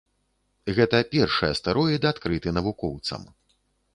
Гэта першы астэроід, адкрыты навукоўцам.